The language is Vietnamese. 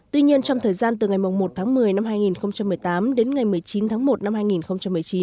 tuy nhiên trong thời gian từ ngày một tháng một mươi năm hai nghìn một mươi tám đến ngày một mươi chín tháng một năm hai nghìn một mươi chín